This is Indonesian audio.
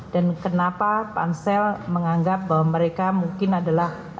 dan kenapa pansel menganggap bahwa mereka mungkin adalah